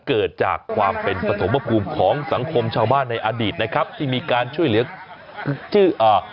เกิดจากความเป็นปฐมภูมิของสังคมชาวบ้านในอดีตนะครับที่มีการช่วยเหลือชื่ออ่า